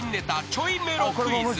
「ちょいメロクイズ」］